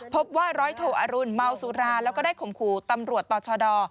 พบว่าร้อยโทอรุณเมาสุราแล้วก็ได้ข่มขู่ตำรวจต่อชด